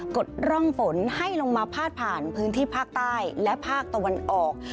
ดร่องฝนให้ลงมาพาดผ่านพื้นที่ภาคใต้และภาคตะวันออก